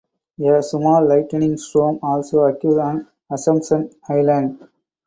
A small lightning storm also occurred on Assumption Island.